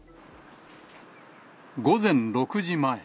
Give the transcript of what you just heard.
午前６時前。